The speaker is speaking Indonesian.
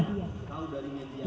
kau dari media